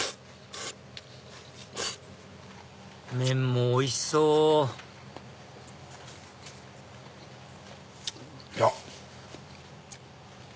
麺もおいしそういやっ！